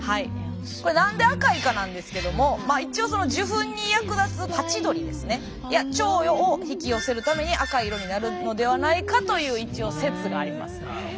これ何で赤いかなんですけどもまあ一応受粉に役立つハチドリですねやチョウを引き寄せるために赤い色になるのではないかという一応説があります。